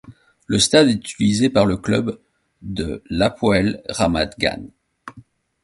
Le stade est utilisé par le club de l'Hapoël Ramat Gan.